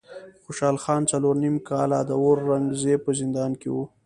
خوشحال خان څلور نیم کاله د اورنګ زیب په زندان کې و.